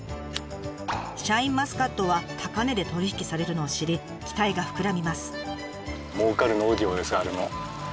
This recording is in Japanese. シャインマスカットは高値で取り引きされるのを知り期待が膨らみます。